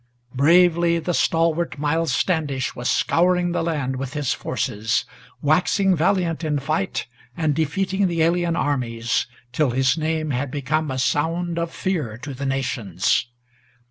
Bravely the stalwart Miles Standish was scouring the land with his forces, Waxing valiant in fight and defeating the alien armies, Till his name had become a sound of fear to the nations.